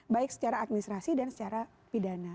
baik secara administrasi dan secara pidana